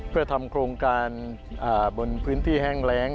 เพื่อทำโครงการบนพื้นที่แห้งแรง